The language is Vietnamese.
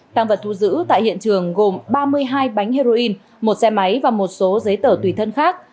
tăng vật thu giữ tại hiện trường gồm ba mươi hai bánh heroin một xe máy và một số giấy tờ tùy thân khác